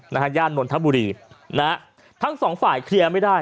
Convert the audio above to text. ย่านนทบุรีนะฮะทั้งสองฝ่ายเคลียร์ไม่ได้